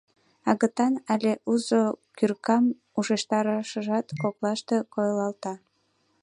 Агытан але узо кӱркам ушештарышыжат коклаште койылалта.